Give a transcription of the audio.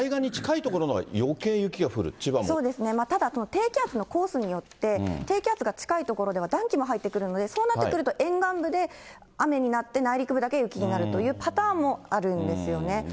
そうですね、ただ低気圧のコースによって、低気圧が近い所では暖気も入ってくるので、そうなってくると沿岸部で雨になって、内陸部だけ雪になるというパターンもあるんですよね。